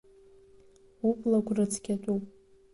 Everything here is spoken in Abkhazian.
Ублагә рыцқьатәуп.